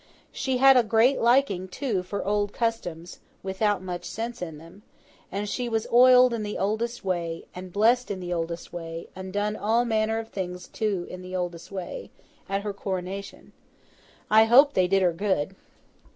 She had a great liking too for old customs, without much sense in them; and she was oiled in the oldest way, and blessed in the oldest way, and done all manner of things to in the oldest way, at her coronation. I hope they did her good.